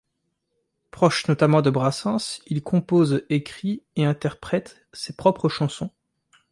Proche notamment de Brassens, il compose, écrit et interprète ses propres chansons.